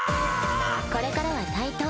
これからは対等。